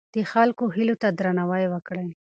د خلکو هیلو ته درناوی وکړئ.